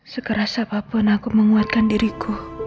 sekeras apapun aku menguatkan diriku